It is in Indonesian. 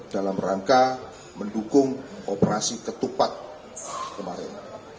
dalam rangka mendukung operasi ketupat kemarin